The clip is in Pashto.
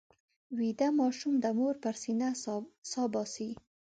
ویده ماشوم د مور پر سینه سا باسي